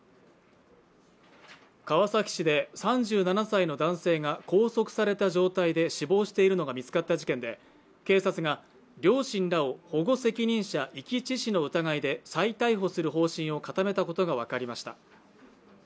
川崎市で３７歳の男性が拘束された状態で死亡しているのが見つかった事件で、警察が両親らを保護責任者遺棄致死の疑いで再逮捕する方針を固めたことが分かりました。